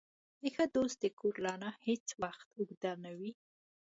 د ښه دوست د کور لاره هېڅ وخت اوږده نه وي.